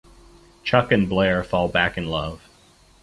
Chuck and Blair fall back in love.